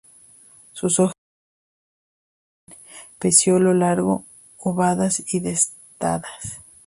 Sus hojas presentan un peciolo largo, ovadas y dentadas.